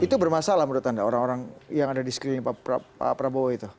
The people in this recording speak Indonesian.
itu bermasalah menurut anda orang orang yang ada di sekeliling pak prabowo itu